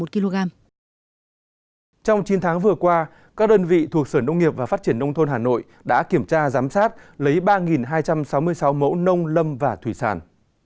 trong chín tháng vừa qua các đơn vị thuộc sở nông nghiệp và phát triển nông thôn hà nội đã kiểm tra giám sát lấy ba hai trăm sáu mươi sáu mẫu nông lâm và thủy sản